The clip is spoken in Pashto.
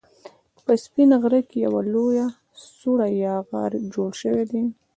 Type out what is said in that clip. په سپين غره کې يوه لويه سوړه يا غار جوړ شوی دی